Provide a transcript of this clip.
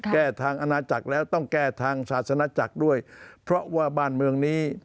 แก้ทางอาณาจักรแล้วต้องแก้ทางศาสนาจักรด้วยเพราะว่าบ้านเมืองนี้